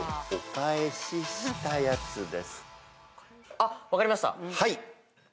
あっ分かりました。